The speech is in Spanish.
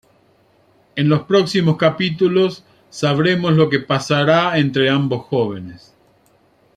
En los próximos capítulos sabremos lo que pasara entre ambos jóvenes.